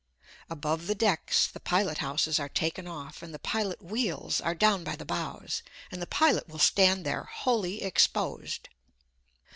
Above the decks the pilot houses are taken off and the pilot wheels are down by the bows, and the pilot will stand there wholly exposed.